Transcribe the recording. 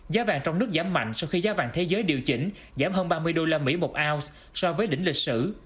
giá vàng trong nước giảm mạnh sau khi giá vàng thế giới điều chỉnh giảm hơn ba mươi usd một ounce so với đỉnh lịch sử